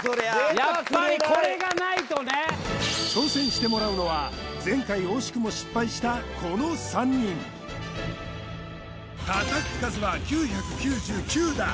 やっぱりこれがないとね挑戦してもらうのは前回惜しくも失敗したこの３人叩く数は９９９打